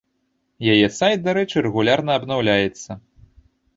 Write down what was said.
Яе сайт, дарэчы, рэгулярна абнаўляецца.